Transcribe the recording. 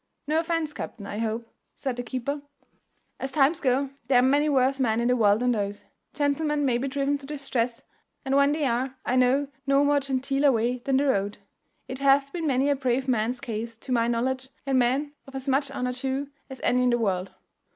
"No offence, captain, I hope," said the keeper; "as times go, there are many worse men in the world than those. Gentlemen may be driven to distress, and when they are, I know no more genteeler way than the road. It hath been many a brave man's case, to my knowledge, and men of as much honour too as any in the world."